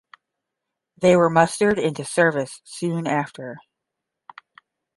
They were mustered into service soon after.